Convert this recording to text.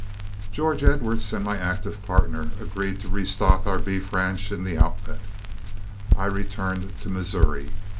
George Edwards and my active partner agreed to restock our beef ranch in the Outlet, and I returned to Missouri.